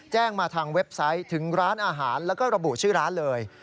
แจ้งมาทางเว็บไซต์ถึงร้านอาหารแล้วก็ระบุชื่อร้านเลย